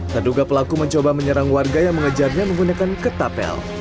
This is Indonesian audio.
terduga pelaku mencoba menyerang warga yang mengejarnya menggunakan ketapel